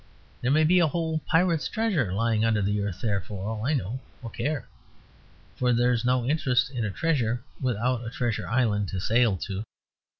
There may be a whole pirate's treasure lying under the earth there, for all I know or care; for there is no interest in a treasure without a Treasure Island to sail to.